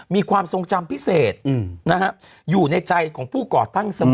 มีความทรงจำพิเศษอยู่ในใจของผู้ก่อตั้งเสมอ